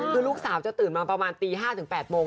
คือลูกสาวจะตื่นมาประมาณตี๕ถึง๘โมง